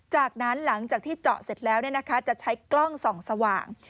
จากนั้นหลังจากที่เจาะเสร็จแล้วจะใช้กล้องส่องสว่าง